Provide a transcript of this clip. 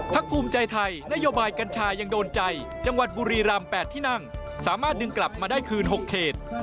ภูมิใจไทยนโยบายกัญชายังโดนใจจังหวัดบุรีรำ๘ที่นั่งสามารถดึงกลับมาได้คืน๖เขต